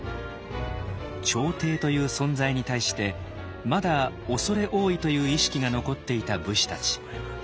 朝廷という存在に対してまだ畏れ多いという意識が残っていた武士たち。